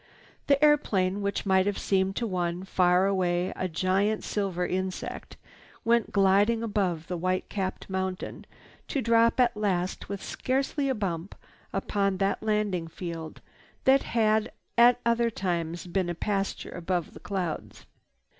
_" The airplane, which might have seemed to one far away a giant silver insect, went gliding about the white capped mountain to drop at last with scarcely a bump upon that landing field that had at other times been a pasture above the clouds.